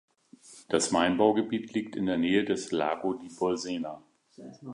Das Weinbaugebiet liegt in der Nähe des Lago di Bolsena.